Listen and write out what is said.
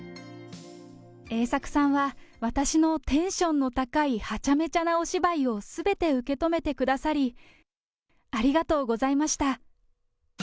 栄作さんは、私のテンションの高いはちゃめちゃのお芝居を全て受け止めてくださり、ありがとうございました。